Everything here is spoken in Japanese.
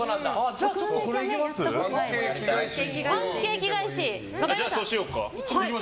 じゃあ、パンケーキ返し。